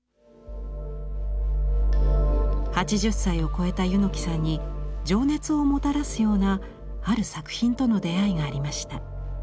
８０歳を超えた柚木さんに情熱をもたらすようなある作品との出会いがありました。